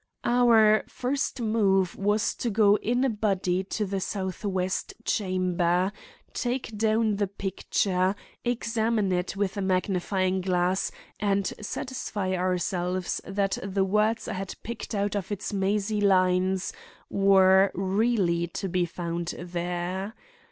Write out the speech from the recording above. Our first move was to go in a body to the southwest chamber, take down the picture, examine it with a magnifying glass and satisfy ourselves that the words I had picked out of its mazy lines were really to be found there.